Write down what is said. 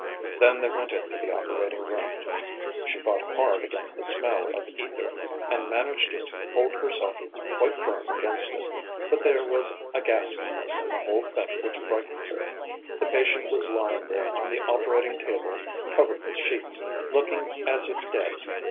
Then they went into the operating room. She fought hard against the smell of ether, and managed to hold herself quite firm against it. But there was a ghastliness in the whole thing which frightened her. The patient was lying there on the operating table, covered with sheets, looking as if dead.